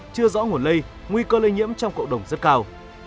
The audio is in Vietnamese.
chưa rõ nguồn lây nguy cơ lây nhiễm trong cộng đồng rất cao